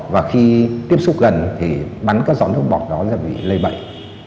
và khi tiếp xúc gần thì bắn các giọt nước bọt đó là bị lây bệnh